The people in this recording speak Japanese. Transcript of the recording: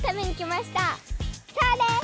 そうです！